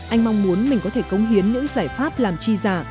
anh mong muốn mình có thể cống hiến những giải pháp làm chi giả